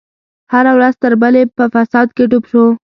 هره ورځ تر بلې په فساد کې ډوب شو.